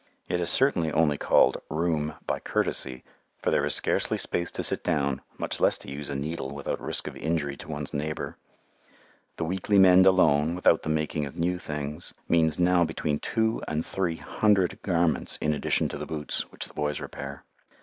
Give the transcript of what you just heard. It is certainly only called "room" by courtesy, for there is scarcely space to sit down, much less to use a needle without risk of injury to one's neighbour. The weekly mend alone, without the making of new things, means now between two and three hundred garments in addition to the boots, which the boys repair.